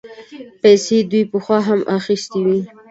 پيسې دوی پخوا هم اخيستې وې.